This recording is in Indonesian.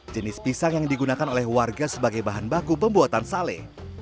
jenis pisang yang digunakan oleh warga sebagai bahan baku pembuatan sale